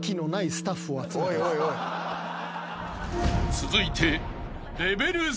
［続いて］